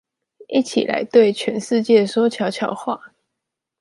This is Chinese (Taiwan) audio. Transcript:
一起來對全世界說悄悄話